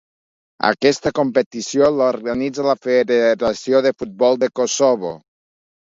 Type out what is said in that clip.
Aquesta competició l'organitza la Federació de Futbol de Kosovo.